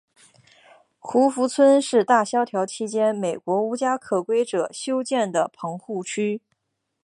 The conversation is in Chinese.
胡佛村是大萧条期间美国无家可归者修建的棚户区。